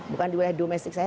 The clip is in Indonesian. bukan di wilayah domestik saya